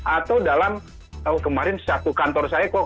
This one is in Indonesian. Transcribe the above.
atau dalam kemarin satu kantor saya kok